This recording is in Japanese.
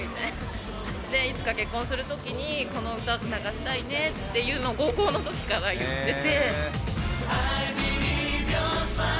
いつか結婚するときにこの歌を流したいねっていうのを、高校のときから言ってて。